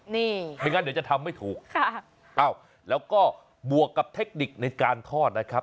นี่ไม่งั้นเดี๋ยวจะทำไม่ถูกแล้วก็บวกกับเทคนิคในการทอดนะครับ